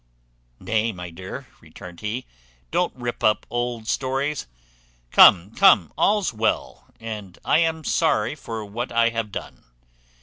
"Nay, my dear," returned he, "don't rip up old stories. Come, come, all's well, and I am sorry for what I have done."